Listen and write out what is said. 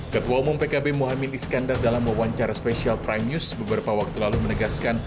ketua umum pkb mohaimin iskandar dalam wawancara spesial prime news beberapa waktu lalu menegaskan